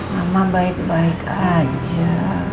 mama baik baik aja